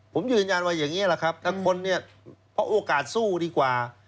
ผมยืนยันว่าอย่างนี้แหละครับถ้าคนเนี่ยเพราะโอกาสสู้ดีกว่า